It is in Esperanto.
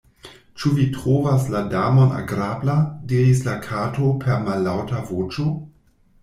"Ĉu vi trovas la Damon agrabla?" diris la Kato per mallaŭta voĉo.